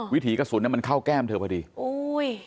วิถีกระสุนอ่ะมันเข้าแก้มเธอพอดีโอ้ย